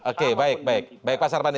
oke baik baik pak sarpandi